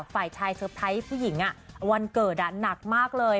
ฝ่ายชายเตอร์ไพรส์ผู้หญิงวันเกิดหนักมากเลย